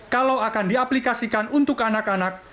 kalau akan diaplikasikan untuk anak anak